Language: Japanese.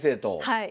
はい。